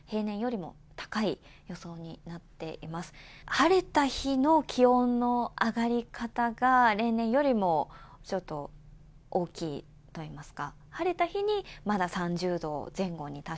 晴れた日の気温の上がり方が例年よりもちょっと大きいといいますか。